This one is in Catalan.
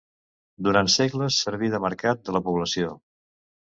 Durant segles serví de mercat de la població.